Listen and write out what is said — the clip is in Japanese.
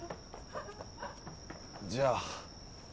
じゃあ。